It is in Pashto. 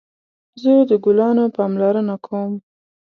زه د ګلانو پاملرنه کوم